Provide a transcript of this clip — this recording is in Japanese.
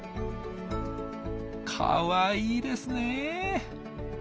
かわいいですね。